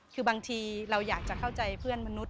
คือบางทีเราอยากจะเข้าใจเพื่อนมนุษย